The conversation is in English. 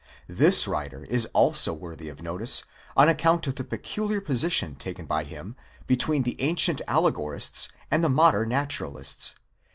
This writer is also worthy of notice on account of the peculiar position taken by him between the ancient allegorists and the modern natural ists.